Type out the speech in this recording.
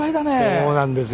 そうなんですよ。